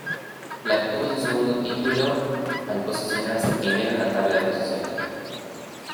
La obtuvo su segundo título al posicionarse primero en la tabla de posiciones.